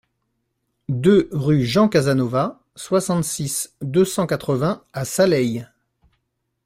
deux rue Jean Casanovas, soixante-six, deux cent quatre-vingts à Saleilles